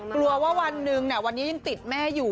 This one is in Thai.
กลัวว่าวันหนึ่งวันนี้ยังติดแม่อยู่